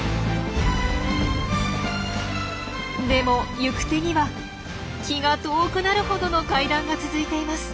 でも行く手には気が遠くなるほどの階段が続いています。